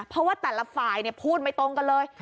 เพราะว่าแต่ละฝ่ายพูดไม่ตรงกันเลย